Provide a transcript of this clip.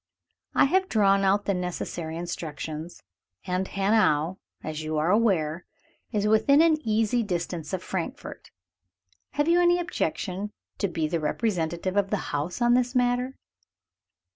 I have drawn out the necessary instructions and Hanau, as you are aware, is within an easy distance of Frankfort. Have you any objection to be the representative of the house in this matter?"